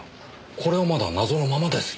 これはまだ謎のままですよ。